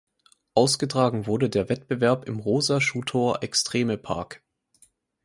Ausgetragen wurde der Wettbewerb im Rosa Chutor Extreme Park.